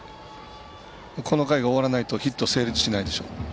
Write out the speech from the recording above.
この回が終わらないとヒットが成立しないでしょ。